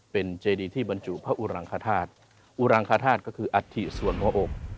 เป็นเจดีที่บรรจุพระอุรังคธาตุอุรังคธาตุก็คืออัฐิส่วนหัวองค์